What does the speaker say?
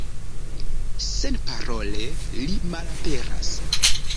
Senparole li malaperas.